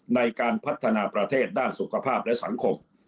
ในการพัฒนาประเทศด้านสุขภาพและสังคม